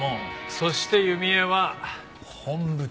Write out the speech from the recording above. そして弓江は本部長。